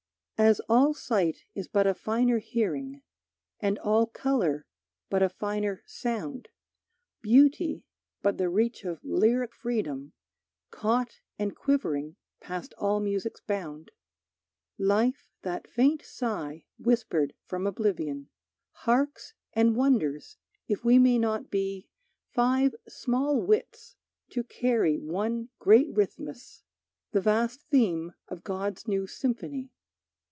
As all sight is but a finer hearing, And all color but a finer sound, Beauty, but the reach of lyric freedom, Caught and quivering past all music's bound; Life, that faint sigh whispered from oblivion, Harks and wonders if we may not be Five small wits to carry one great rhythmus, The vast theme of God's new symphony.